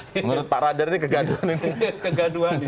menurut pak radar ini kegaduhan